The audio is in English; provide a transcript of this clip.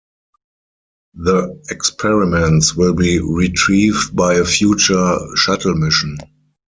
The experiments will be retrieved by a future shuttle mission.